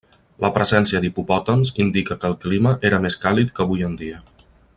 La presència d'hipopòtams indica que el clima era més càlid que avui en dia.